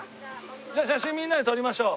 じゃあ写真みんなで撮りましょう。